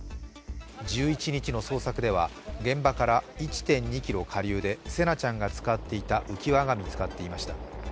１１日の捜索では現場から１．２ｋｍ下流で聖凪ちゃんが使っていた浮き輪が見つかっていました。